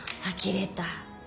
あきれた。